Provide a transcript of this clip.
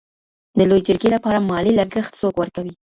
د لویې جرګي لپاره مالي لګښت څوک ورکوي؟